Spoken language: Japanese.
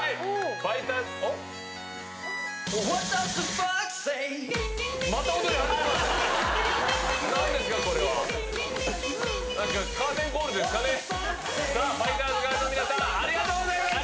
ファイターズガールの皆さん、ありがとうございました。